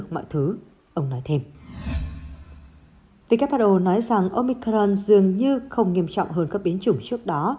mọi thứ ông nói thêm who nói rằng omicron dường như không nghiêm trọng hơn các biến chủng trước đó